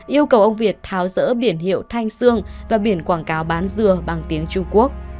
yêu cầu ông việt tháo rỡ biển hiệu thanh sương và biển quảng cáo bán dừa bằng tiếng trung quốc